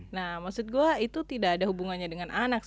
nah maksud gue itu tidak ada hubungannya dengan anak